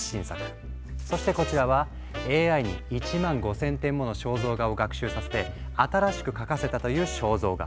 そしてこちらはＡＩに１万５，０００点もの肖像画を学習させて新しく描かせたという肖像画。